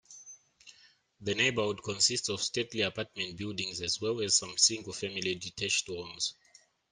The neighborhood consists of stately apartment buildings as well as some single-family detached homes.